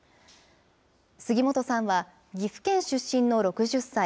杉本さんは岐阜県出身の６０歳。